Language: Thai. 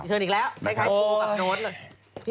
รีเทิร์นอีกแล้วใครคิดถูกดับโน้ต